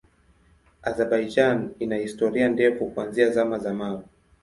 Azerbaijan ina historia ndefu kuanzia Zama za Mawe.